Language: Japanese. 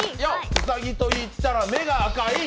うさぎといったら目が赤い。